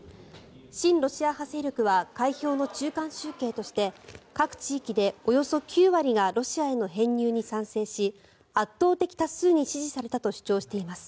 親ロシア派勢力は開票の中間集計として各地域でおよそ９割がロシアへの編入に賛成し圧倒的多数に支持されたと主張しています。